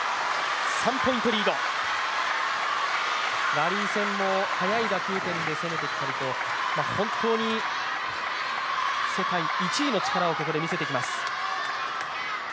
ラリー戦も速い打球点で攻めてきたりと、本当に世界１位の力をここで見せてきます。